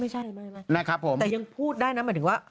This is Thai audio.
ไม่ใช่แต่ยังพูดได้นะหมายถึงว่า